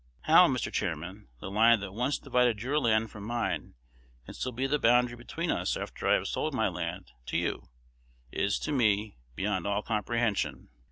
How, Mr. Chairman, the line that once divided your land from mine can still be the boundary between us after I have sold my land to you, is, to me, beyond all comprehension.